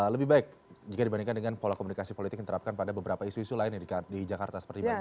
lebih baik jika dibandingkan dengan pola komunikasi politik yang diterapkan pada beberapa isu isu lainnya di jakarta seperti bali